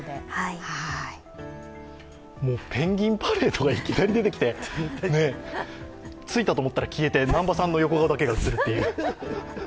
ペンギンパレードがいきなり出てきてついたと思ったら消えて南波さんの横顔だけが映るという。